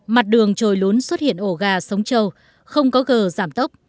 mặt đường trồi lún xuất hiện ổ gà sống trâu không có gờ giảm tốc